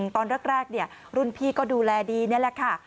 ตอนแรกรุ่นพี่ก็ดูแลดีนี่แหละค่ะ